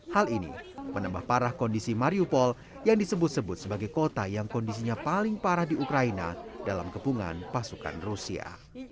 hal ini menambah parah kondisi mariupol yang disebut sebut sebagai kota yang kondisinya paling parah di ukraina dalam kepungan pasukan rusia